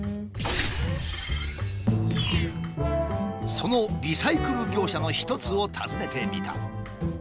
そのリサイクル業者の一つを訪ねてみた。